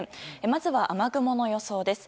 まずは雨雲の予想です。